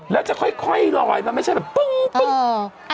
แล้วจะค่อยลอยมันไม่ใช่แบบปึ้งปึ้ง